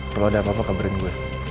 kalau ada apa apa kabarin gue